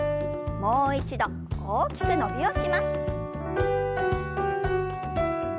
もう一度大きく伸びをします。